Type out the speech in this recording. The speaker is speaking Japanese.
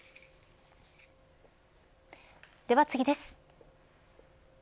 では次です。